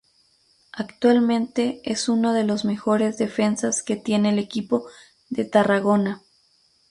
Actualmente es uno de los mejores defensas que tiene el equipo de Tarragona.